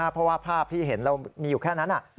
เพราะว่าภาพที่เห็นเรามีอยู่แค่นั้น